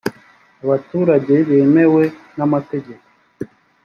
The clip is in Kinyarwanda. abaturage bemewe n ‘amategeko